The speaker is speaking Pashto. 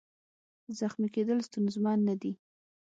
زخمي کېدل ستونزمن نه دي.